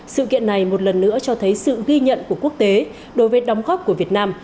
sự kiện này một lần nữa cho thấy sự ghi nhận của quốc tế đối với đóng góp của việt nam